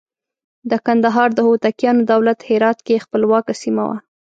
د کندهار د هوتکیانو دولت هرات کې خپلواکه سیمه وه.